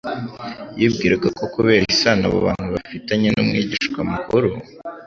Yibwiraga ko kubera isano abo bantu bafitanye n'Umwigisha mukuru,